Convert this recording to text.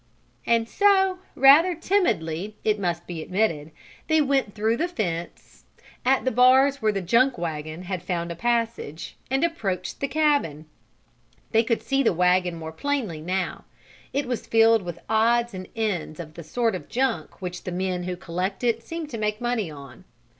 And so, rather timidly it must be admitted, they went through the fence, at the bars where the junk wagon had found a passage, and approached the cabin. They could see the wagon more plainly now. It was filled with odds and ends of the sort of junk which the men who collect it seem to make money on.